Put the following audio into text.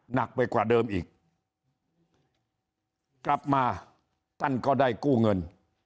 หนักไปกว่าเดิมอีกกลับมาท่านก็ได้กู้เงิน